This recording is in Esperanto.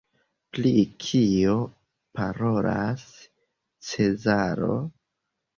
Pri kio parolas Cezaro?